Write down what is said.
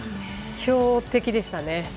強敵でしたね。